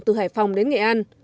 từ hải phòng đến nghệ an